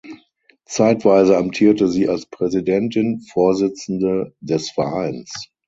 Zeitweise amtierte sie als Präsidentin (Vorsitzende) des Vereins.